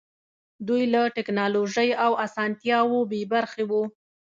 دوی له ټکنالوژۍ او اسانتیاوو بې برخې وو.